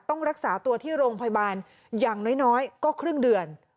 ต้องรักษาตัวที่โรงพยาบาลอย่างน้อยก็ครึ่งเดือน